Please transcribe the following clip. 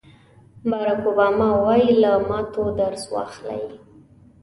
باراک اوباما وایي له ماتو درس واخلئ.